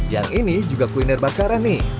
yang ini juga kuliner bakaran nih